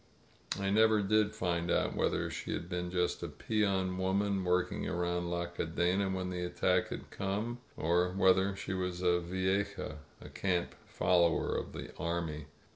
I never did find out whether she had been just a peon woman working around La Cadena when the attack had come, or whether she was a vieja — ^a camp follower of the army.